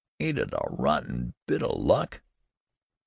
Ain't it a rotten bit o' luck!"